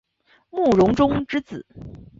慕容忠之子。